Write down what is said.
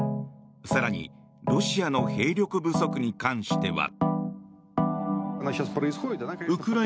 更にロシアの兵力不足に関しては。